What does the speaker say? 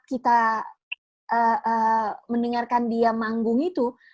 kita mendengarkan dia manggung itu